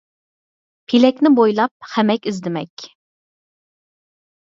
پېلەكنى بويلاپ خەمەك ئىزدىمەك